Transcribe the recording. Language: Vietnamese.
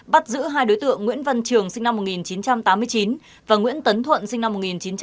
bắt giữ hai đối tượng nguyễn văn trường sinh năm một nghìn chín trăm tám mươi chín và nguyễn tấn thuận sinh năm một nghìn chín trăm tám mươi